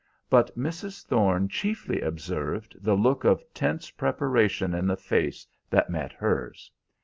But Mrs. Thorne chiefly observed the look of tense preparation in the face that met hers.